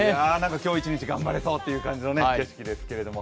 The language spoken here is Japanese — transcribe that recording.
今日一日頑張れそうという感じの景色ですけど。